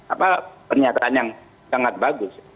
apa pernyataan yang sangat bagus